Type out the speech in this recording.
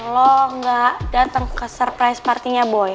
lo gak datang ke surprise party nya boy